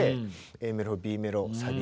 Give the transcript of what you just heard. ＡメロＢメロサビ